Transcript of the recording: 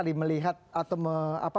jadi melihat atau mengkira